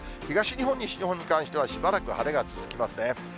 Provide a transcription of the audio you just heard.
東日本、西日本に関しては、しばらく晴れが続きますね。